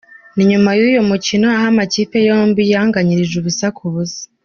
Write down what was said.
Ni nyuma y’uyu mukino, aho amakipe yombi yanganyije ubusa ku busa.